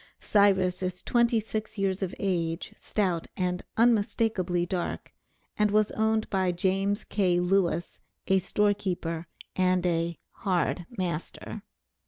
Cyrus is twenty six years of age, stout, and unmistakably dark, and was owned by James K. Lewis, a store keeper, and a "hard master."